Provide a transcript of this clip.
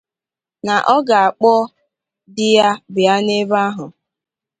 na ọ ga-akpọ di ya bịa n'ebe ahụ